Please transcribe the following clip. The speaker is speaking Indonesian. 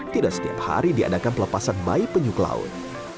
tidak setiap hari diadakan pelepasan bayi penyul ke laut